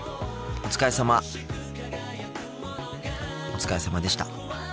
お疲れさまでした。